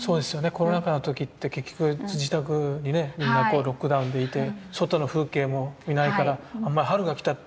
コロナ禍の時って結局自宅にねみんなロックダウンでいて外の風景も見ないからあんまり春が来たという感じ